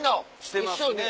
してますね。